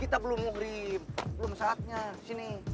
kita belum muhrim belum saatnya sini